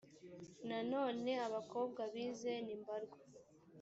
nanone abakobwa bize ni mbarwa